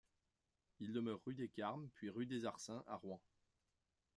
Il demeure rue des Carmes puis rue des Arsins à Rouen.